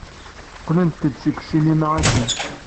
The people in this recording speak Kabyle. Qqlent-d seg ssinima akken.